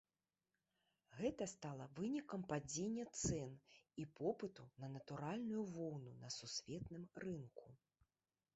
Гэта стала вынікам падзення цэн і попыту на натуральную воўну на сусветным рынку.